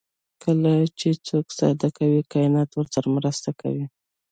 کله چې څوک صادق وي کائنات ورسره مرسته کوي.